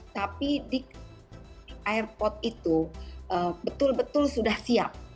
tapi di airport itu betul betul sudah siap